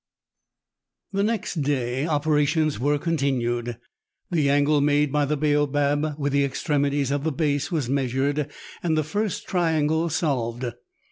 The next 'day operations Avere continued. The angle made by the baobab with the extremities of the base was measured, and the first triangle solved.